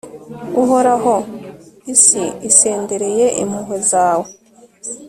uhoraho, isi isendereye impuhwe zawe